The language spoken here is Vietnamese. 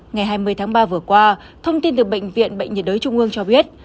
ngày hai mươi tháng ba vừa qua thông tin từ bệnh viện bệnh nhiệt đới trung ương cho biết